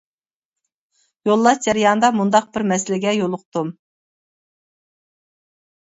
يوللاش جەريانىدا مۇنداق بىر مەسىلىگە يولۇقتۇم.